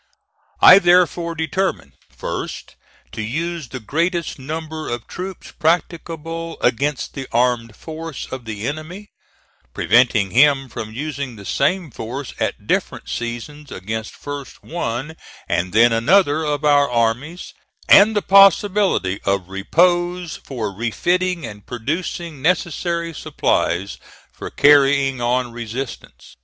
I therefore determined, first, to use the greatest number of troops practicable against the armed force of the enemy; preventing him from using the same force at different seasons against first one and then another of our armies, and the possibility of repose for refitting and producing necessary supplies for carrying on resistance.